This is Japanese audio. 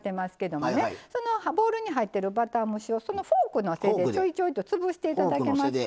ボウルに入ってるバター蒸しをそのフォークの背でちょいちょいと潰していただけますか。